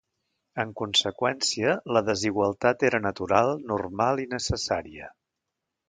En conseqüència, la desigualtat era natural, normal i necessària.